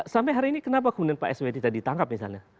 sampai hari ini kenapa kemudian pak sby tidak ditangkap misalnya